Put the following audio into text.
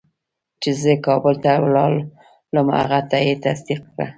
چې زه کابل ته لاړم هغه یې تصدیق کړه.